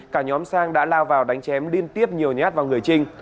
cả nhóm sang đã lao vào đánh chém liên tiếp nhiều nhát vào người trinh